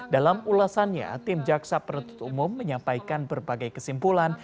dalam ulasannya tim jaksa penutup umum menyampaikan berbagai kesimpulan